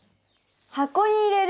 箱に入れる。